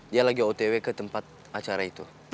dia lagi otw ke tempat acara itu